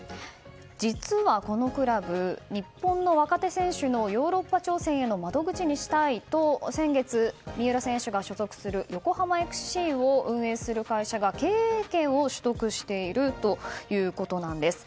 実は、このクラブ日本の若手選手のヨーロッパ挑戦への窓口にしたいと先月、三浦選手が所属する横浜ＦＣを運営する会社が経営権を取得しているということなんです。